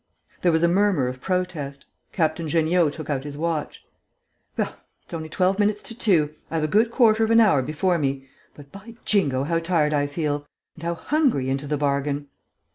There was a murmur of protest. Captain Jeanniot took out his watch: "Well! It's only twelve minutes to two! I have a good quarter of an hour before me. But, by Jingo, how tired I feel! And how hungry into the bargain!"